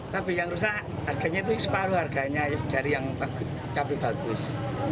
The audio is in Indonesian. cabai yang rusak harganya itu separuh harganya dari yang cabai bagus